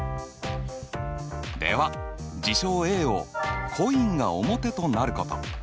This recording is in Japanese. では事象Ａを「コインが表となること」。